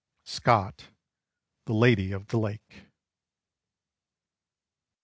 Scott: "The Lady of the Lake."